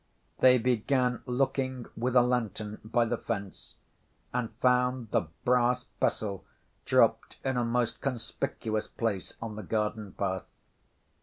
They began looking with a lantern by the fence and found the brass pestle dropped in a most conspicuous place on the garden path.